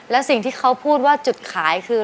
และสิ่งที่เขาพูดว่าจุดขายคือ